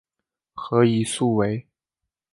何以速为。